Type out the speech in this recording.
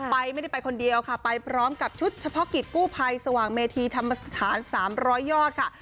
ไปไม่ได้ไปคนเดียวค่ะไปพร้อมกับชุดเฉพาะกิจกู้ภัยสว่างเมธีธรรมสถาน๓๐๐ยอดค่ะ